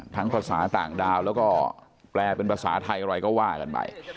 ภาษาต่างดาวแล้วก็แปลเป็นภาษาไทยอะไรก็ว่ากันไป